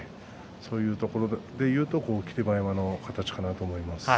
そういうところで言うと霧馬山の形かなと思います。